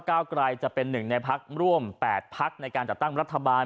ก้าวกลายจะเป็นหนึ่งในพักร่วม๘พักในการจัดตั้งรัฐบาล